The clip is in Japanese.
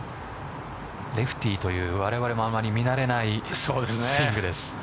レフティーというわれわれもあんまり見慣れないスイングです。